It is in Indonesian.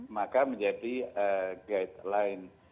maka menjadi guidelines